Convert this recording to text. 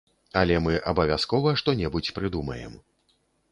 Але мы абавязкова што-небудзь прыдумаем.